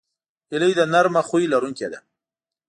هیلۍ د نرمه خوی لرونکې ده